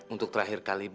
untuk terakhir kali